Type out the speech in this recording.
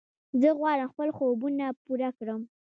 زه غواړم خپل خوبونه پوره کړم.